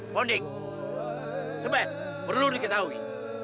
bonding sebet perlu diketahui